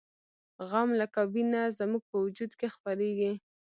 غم لکه وینه زموږ په وجود کې خپریږي